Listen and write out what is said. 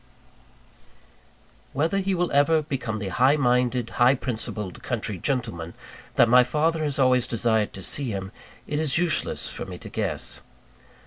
Whether he will ever become the high minded, high principled country gentleman, that my father has always desired to see him, it is useless for me to guess.